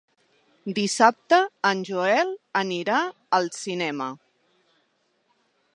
Dissabte en Joel anirà al cinema.